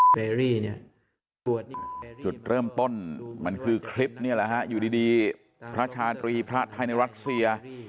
เบรี่เนี่ยจุดเริ่มต้นมันคือคลิปนี่แหละฮะอยู่ดีพระชาตรีพระไทยในรัสเซีย